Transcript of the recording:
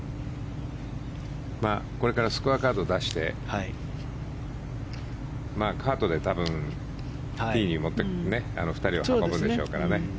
これからスコアカード出してカートで多分、ティーに２人を運ぶでしょうからね。